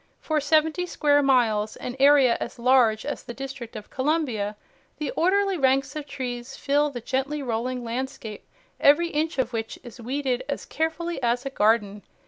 For seventy square miles, an area as large as the District of Columbia, the orderly ranks of trees fill the gently rolling landscape, every inch of which is weeded as carefully as a garden.